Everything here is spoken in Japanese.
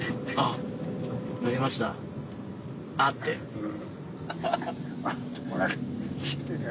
うん。